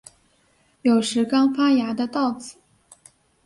有时刚发芽的稻子